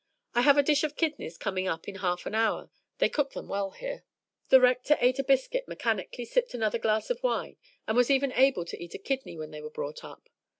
I have a dish of kidneys coming up in half an hour; they cook them well here." The Rector ate a biscuit, mechanically sipped another glass of wine, and was even able to eat a kidney when they were brought up.